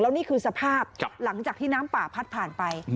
นี่คือสภาพหลังจากที่น้ำป่าพัดผ่านไป